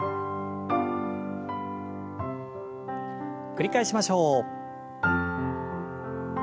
繰り返しましょう。